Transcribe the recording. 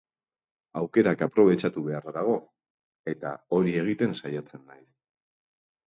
Aukerak aprobetxatu beharra dago, eta hori egiten saiatzen naiz.